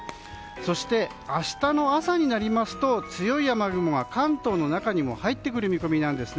そして、明日の朝になりますと強い雨雲が関東の中に入ってくる見込みです。